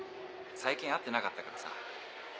最近会ってなかったからさ。